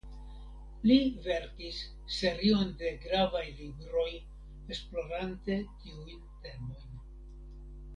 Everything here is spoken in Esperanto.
Li verkis serion de gravaj libroj esplorante tiujn temojn.